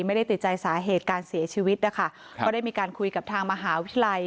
ไม่ได้ติดใจสาเหตุการเสียชีวิตนะคะก็ได้มีการคุยกับทางมหาวิทยาลัย